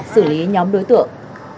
xử lý nhóm đối tượng